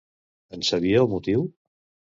En sabia el motiu?